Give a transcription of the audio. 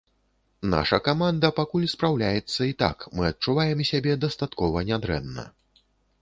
Наша каманда пакуль спраўляецца і так, мы адчуваем сябе дастаткова нядрэнна.